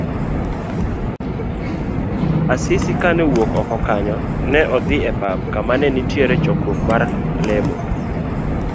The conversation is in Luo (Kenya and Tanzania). Asisi kane owuok oko kanyo, ne odhi e pap kama nenitiere chokruok mar lemo.